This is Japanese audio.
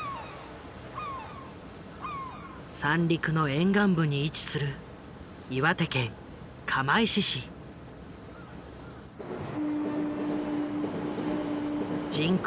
三陸の沿岸部に位置する人口